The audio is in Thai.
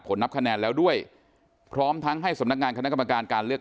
นับคะแนนแล้วด้วยพร้อมทั้งให้สำนักงานคณะกรรมการการเลือก